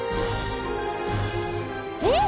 えっ！